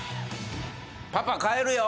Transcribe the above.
パパ帰るよ。